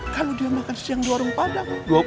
kalau dia makan siang di warung padang